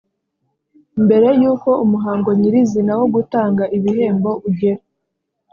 Mbere y’uko umuhango nyir’izina wo gutanga ibihembo ugera